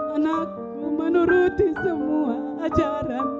anakku menuruti semua ajaran